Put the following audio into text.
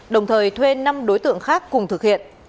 đồng thời thuê năm đối tượng khác cùng thực hiện